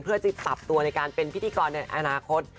เพื่อจะปรับตัวในการเป็นพิธีกรในอนาคต